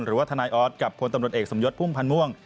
หรือว่าทนายออสกับพลตำรวจเอกสมยศพุ่มพันธ์ม่วง